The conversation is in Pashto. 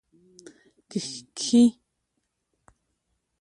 کښې